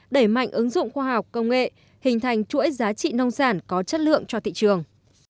đẩy mạnh ứng dụng khoa học công nghệ hình thành chuỗi giá trị nông sản có chất lượng cho thị trường